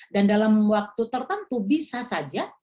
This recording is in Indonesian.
dan dalam waktu tertentu bisa saja